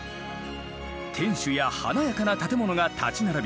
天守や華やかな建物が立ち並び